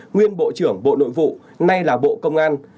nguyên bộ trưởng bộ nội vụ nay là bộ công an